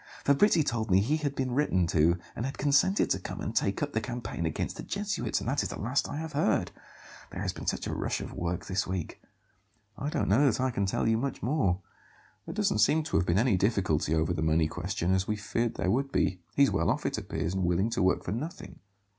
Fabrizi told me he had been written to and had consented to come and take up the campaign against the Jesuits; and that is the last I have heard. There has been such a rush of work this week." "I don't know that I can tell you much more. There doesn't seem to have been any difficulty over the money question, as we feared there would be. He's well off, it appears, and willing to work for nothing."